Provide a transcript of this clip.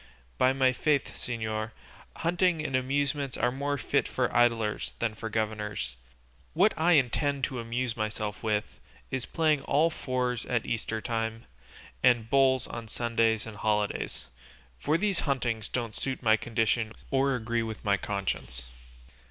By my faith, señor, hunting and amusements are more fit for idlers than for governors; what I intend to amuse myself with is playing all fours at Eastertime, and bowls on Sundays and holidays; for these huntings don't suit my condition or agree with my conscience."